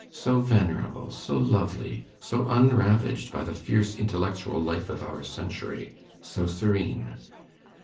so venerable, so lovely, so unravaged by the fierce intellectual life of our century, so serene!